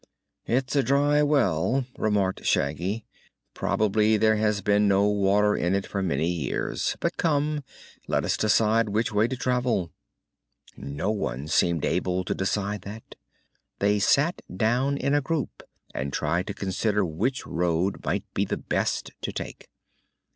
"It's a dry well," remarked Shaggy. "Probably there has been no water in it for many years. But, come; let us decide which way to travel." No one seemed able to decide that. They sat down in a group and tried to consider which road might be the best to take.